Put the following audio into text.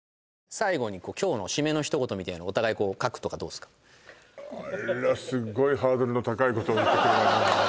最後に今日の締めの一言みたいなのをお互い書くとかどうっすかあらすっごいハードルの高いことを言ってくるわね